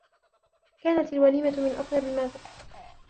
كانت الوليمة من أطيب ما ذقت.